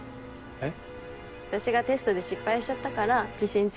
えっ？